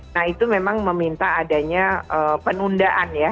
nah itu memang meminta adanya penundaan ya